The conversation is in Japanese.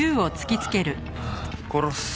殺す。